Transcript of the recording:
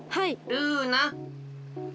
ルーナ？